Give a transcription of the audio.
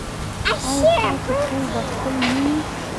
ایا ستاسو کور به خپل نه وي؟